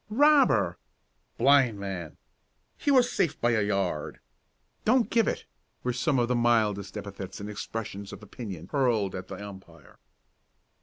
"Robber!" "Blind man!" "He was safe by a yard!" "Don't give it!" were some of the mildest epithets and expressions of opinion hurled at the umpire.